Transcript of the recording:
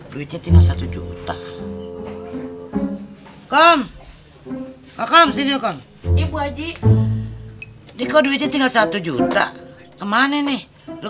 duitnya tinggal satu juta com com sini com ibu aji dikode tinggal satu juta kemana nih lu